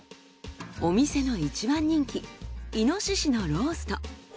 お店の一番人気猪のロースト。